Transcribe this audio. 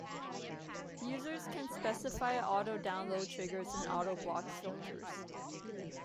Users can specify auto-download triggers and auto-block filters.